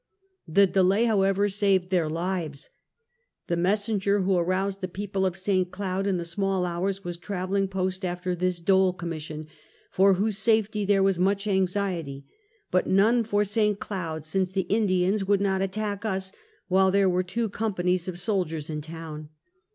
The delay, however, saved their lives. The messenger who aroused the people of St. Cloud in the small hours was traveling post after this Dole commission, for whose safety there was much anxiety, but none for St. Cloud, since the In dians would not attack us while there were two com panies of soldiers in town.